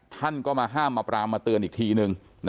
ท่านก็มาห้ามมาปรามมาเตือนอีกทีนึง